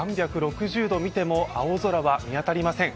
３６０度見ても青空は見当たりません